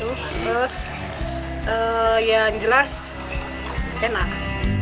terus yang jelas enak